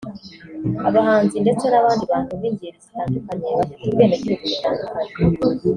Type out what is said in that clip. abahanzi ndetse n’abandi bantu b’ingeri zitandukanye bafite Ubwenegihugu butandukanye